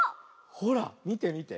ほらみてみて。